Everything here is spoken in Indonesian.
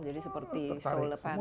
jadi seperti solepan